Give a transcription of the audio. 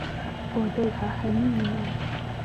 我对他很礼貌